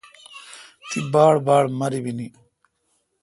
تی باڑباڑ مربینی